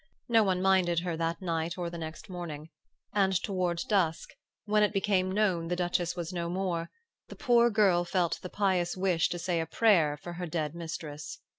No one minded her that night or the next morning; and toward dusk, when it became known the Duchess was no more, the poor girl felt the pious wish to say a prayer for her dead mistress.